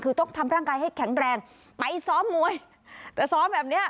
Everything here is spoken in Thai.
คือต้องทำร่างกายให้แข็งแรงไปซ้อมมวยแต่ซ้อมแบบเนี้ย